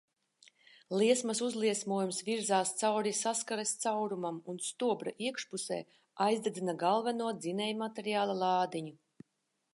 Liesmas uzliesmojums virzās cauri saskares caurumam un stobra iekšpusē aizdedzina galveno dzinējmateriāla lādiņu.